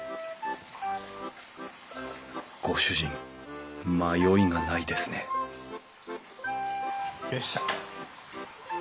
ご主人迷いがないですねよっしゃ！